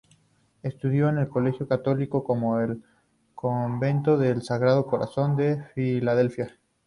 Estudió en colegios católicos como el del Convento del Sagrado Corazón en Filadelfia.